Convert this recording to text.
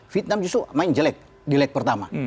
vietnam justru main jelek di lag pertama